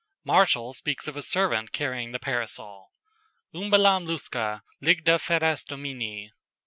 "] Martial speaks of a servant carrying the Parasol: "Umbellam lusca, Lygde feras Dominæ."